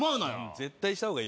絶対した方がいい